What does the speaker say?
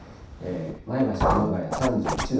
前橋、熊谷３１度。